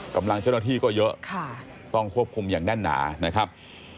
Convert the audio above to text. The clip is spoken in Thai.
กำลังเจ้าหน้าที่ก็เยอะต้องควบคุมอย่างแน่นหนานะครับ